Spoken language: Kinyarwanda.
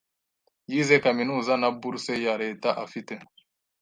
Yize kaminuza nta buruse ya Leta afite